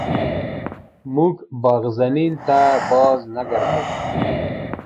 موږ بغزنین ته بازنګردیم.